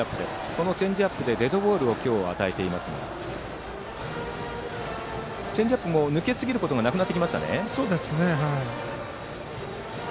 このチェンジアップで、今日デッドボールを与えていますがチェンジアップも抜けすぎることがなくなってきました。